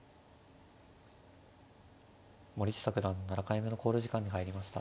森下九段７回目の考慮時間に入りました。